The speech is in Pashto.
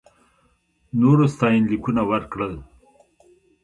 نورو ستاینلیکونه ورکړل.